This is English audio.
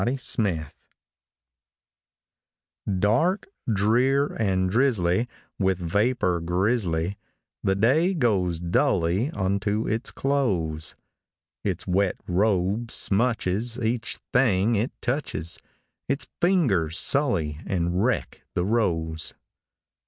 A WET DAY Dark, drear, and drizzly, with vapor grizzly, The day goes dully unto its close; Its wet robe smutches each thing it touches, Its fingers sully and wreck the rose.